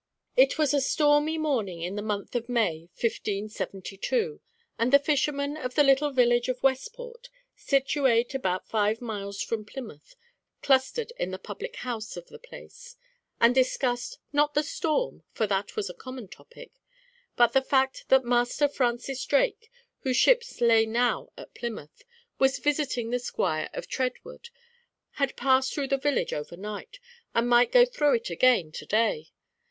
It was a Stormy morning in the month of May, 1572; and the fishermen of the little village of Westport, situate about five miles from Plymouth, clustered in the public house of the place; and discussed, not the storm, for that was a common topic, but the fact that Master Francis Drake, whose ships lay now at Plymouth, was visiting the Squire of Treadwood, had passed through the village over night, and might go through it again, today.